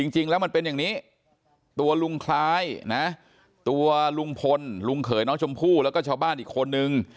จริงแล้วมันเป็นอย่างนี้ตัวลุงคล้ายนะตัวลุงพลลุงเขยน้องชมพู่แล้วก็ชาวบ้านอีกคนนึง